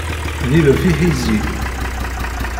D ilef iḥizi.